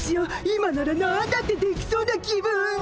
今ならなんだってできそうな気分！